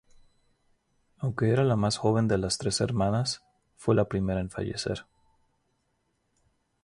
Aunque era la más joven de las tres hermanas, fue la primera en fallecer.